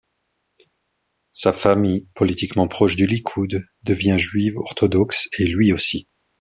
Sa famille - politiquement proche du Likoud - devient juive orthodoxe, et lui aussi.